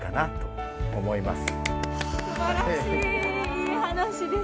いい話です。